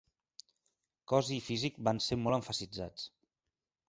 Cos i físic van ser molt emfasitzats.